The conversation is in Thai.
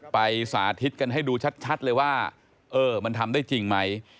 สาธิตกันให้ดูชัดเลยว่าเออมันทำได้จริงไหม